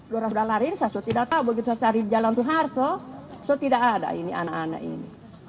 mereka sudah lari saya tidak tahu begitu saya cari jalan suhar saya tidak ada ini anak anak ini